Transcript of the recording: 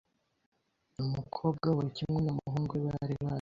Umukobwa we, kimwe n’umuhungu we, bari bazwi .